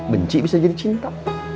benci bisa jadi cinta